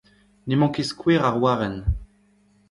N’emañ ket skouer ar warenn.